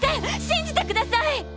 信じてください！